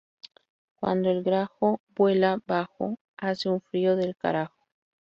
Cuando el grajo vuela bajo, hace un frío del carajo